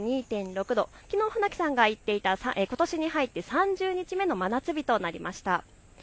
きのう船木さんが言っていたことしに入って３０日目の真夏日となりました。